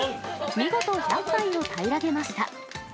見事１００杯を平らげました。